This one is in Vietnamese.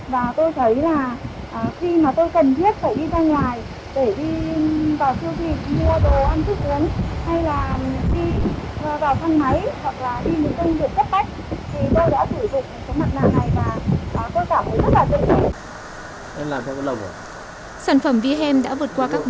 và tôi thấy là khi mà tôi cần thiết phải đi ra nhà để đi vào siêu thị mua đồ ăn thức uống